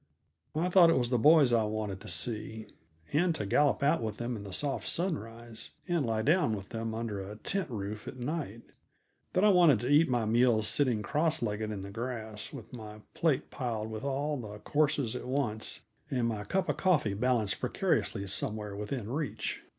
I thought it was the boys I wanted to see, and to gallop out with them in the soft sunrise, and lie down with them under a tent roof at night; that I wanted to eat my meals sitting cross legged in the grass, with my plate piled with all the courses at once and my cup of coffee balanced precariously somewhere within reach.